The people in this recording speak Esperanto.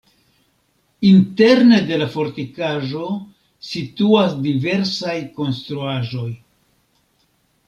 Interne de la fortikaĵo situas diversaj konstruaĵoj.